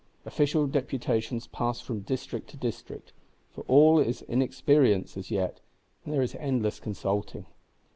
Official deputations pass from District to District, for all is inexperience as yet, and there is endless consulting.